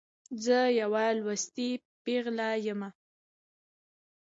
زه یوه لوستې پیغله يمه.